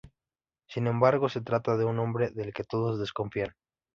Sin embargo, se trata de un hombre del que todos desconfían.